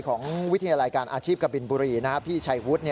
วิทยาลัยการอาชีพกบินบุรีพี่ชัยวุฒิ